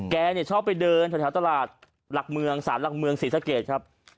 แกชอบไปเดินแถวตลาดหลักเมืองสารหลักเมืองศรีสะเกดครับ